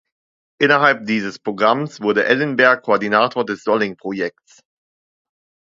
Innerhalb dieses Programms wurde Ellenberg Koordinator des „Solling-Projekts“.